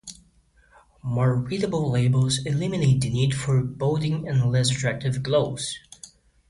More readable labels eliminate the need for bolding and less-attractive glows.